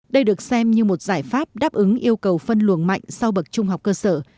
đây được xem như một giải pháp đáp ứng yêu cầu phân luồng mạnh sau bậc trung học cơ sở